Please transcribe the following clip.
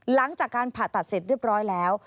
หลังจากการผ่าตัดเสร็จเรียบร้อยแล้ว